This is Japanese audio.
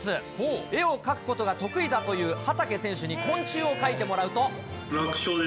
絵を描くことが得意だという畠選手に、昆虫を描いてもらうと。